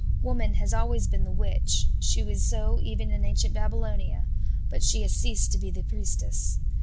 Woman has always been the witch; she was so even in ancient Babylonia; but she has ceased to be the priestess.